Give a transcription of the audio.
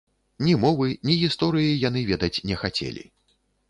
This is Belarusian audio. Ні мовы, ні гісторыі яны ведаць не хацелі.